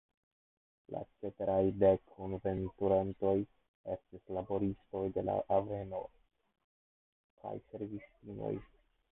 La ceteraj dek kunveturantoj estis laboristoj de la haveno kaj servistinoj.